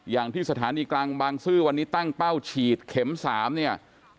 อย่างที่สถานีกลางบางซื่อวันนี้ตั้งเป้าฉีดเข็ม๓เนี่ย